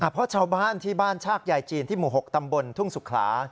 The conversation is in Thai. เพราะชาวบ้านที่บ้านชากยายจีนที่หมู่๖ตำบลทุ่งสุขลา